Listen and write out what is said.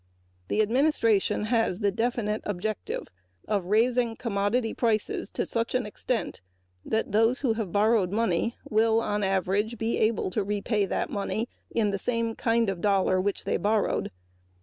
The administration has the definite objective of raising commodity prices to such an extent that those who have borrowed money will, on the average, be able to repay that money in the same kind of dollar which they borrowed.